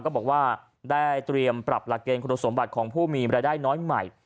ก็บอกว่าได้เตรียมปรับหลักเกณฑ์คุณสมบัติของผู้มีรายได้น้อยใหม่